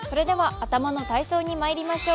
頭の体操にまいりましょう。